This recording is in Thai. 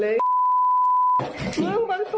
เรื่องนี้หรอ